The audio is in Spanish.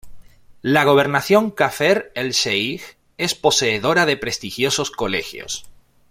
La Gobernación de Kafr el Sheij es poseedora de prestigiosos colegios.